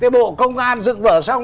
bộ công an dựng vở xong